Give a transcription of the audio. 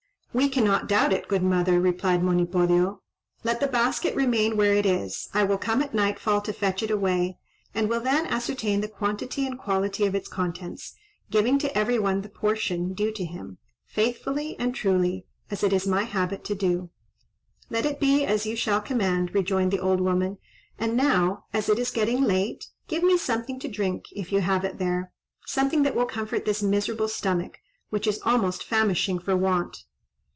"We cannot doubt it, good mother," replied Monipodio. "Let the basket remain where it is; I will come at nightfall to fetch it away, and will then ascertain the quantity and quality of its contents, giving to every one the portion, due to him, faithfully and truly, as it is my habit to do." "Let it be as you shall command," rejoined the old woman; "and now, as it is getting late, give me something to drink, if you have it there—something that will comfort this miserable stomach, which is almost famishing for want."